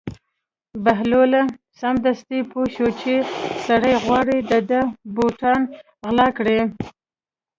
بهلول سمدستي پوه شو چې سړی غواړي د ده بوټان غلا کړي.